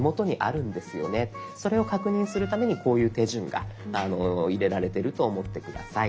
それを確認するためにこういう手順が入れられてると思って下さい。